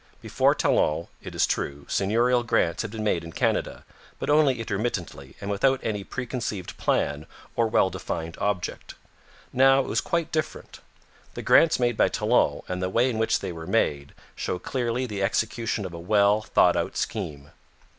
Before Talon, it is true, seigneurial grants had been made in Canada, but only intermittently and without any preconceived plan or well defined object. Now it was quite different. The grants made by Talon, and the way in which they were made, show clearly the execution of a well thought out scheme.